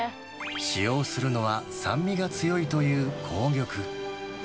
使用するのは、酸味が強いという紅玉。